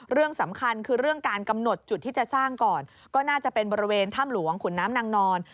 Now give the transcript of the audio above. เรื่องสำคัญคือเรื่องการกำหนดจุดที่จะสร้างก่อนก็น่าจะเป็นบริเวณถ้ำหลวงขุนน้ำนางนอน